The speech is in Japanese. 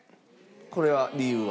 これは理由は？